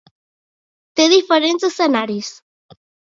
Té diferents escenaris.